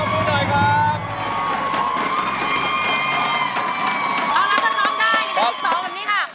ก็เราจะลองได้ที่ที่๒แบบนี้ค่ะ